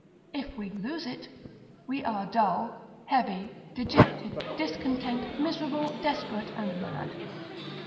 If we lose it, we are dull, heavy, dejected, discontent, miserable, desperate, and mad.